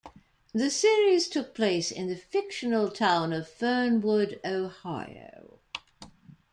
The series took place in the fictional town of Fernwood, Ohio.